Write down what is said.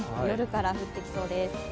夜から降ってきそうです。